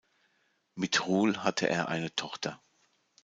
Mit Rule hatte er eine Tochter.